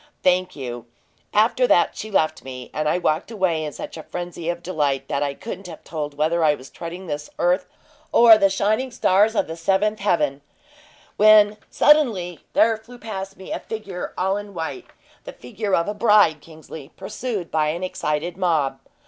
"Thank you! After that she left me, and I walked away in such a frenzy of delight that I couldn't have told whether I was treading this earth or the shining stars of the seventh heaven, when suddenly there flew past me a figure all in white the figure of a bride, Kingsley, pursued by an excited mob.